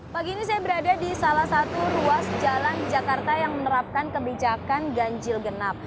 pagi ini saya berada di salah satu ruas jalan jakarta yang menerapkan kebijakan ganjil genap